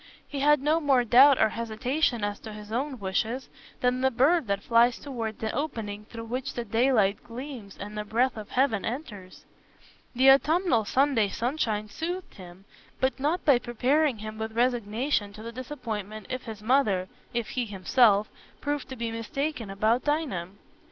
He had no more doubt or hesitation as to his own wishes than the bird that flies towards the opening through which the daylight gleams and the breath of heaven enters. The autumnal Sunday sunshine soothed him, but not by preparing him with resignation to the disappointment if his mother—if he himself—proved to be mistaken about Dinah.